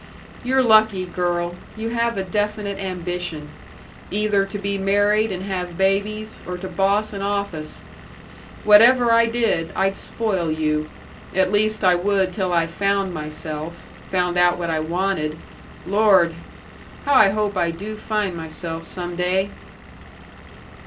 You're lucky, girl. You have a definite ambition either to be married and have babies or to boss an office. Whatever I did, I'd spoil you at least I would till I found myself found out what I wanted.... Lord! how I hope I do find myself some day!"